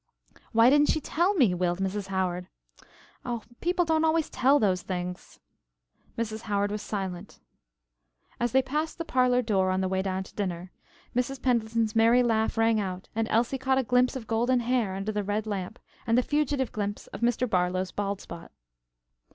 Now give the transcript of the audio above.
"Why didn't she tell me?" wailed Mrs. Howard. "Oh, people don't always tell those things." Mrs. Howard was silent. As they passed the parlor door on their way down to dinner, Mrs. Pendleton's merry laugh rang out and Elsie caught a glimpse of the golden hair under the red lamp and the fugitive glimpse of Mr. Barlow's bald spot.